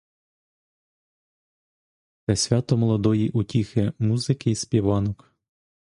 Це свято молодої утіхи, музики й співанок.